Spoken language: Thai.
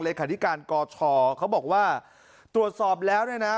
ธิการกชเขาบอกว่าตรวจสอบแล้วเนี่ยนะ